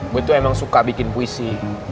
gue tuh emang suka bikin puisi